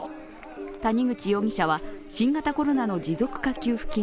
谷口容疑者は、新型コロナの持続化給付金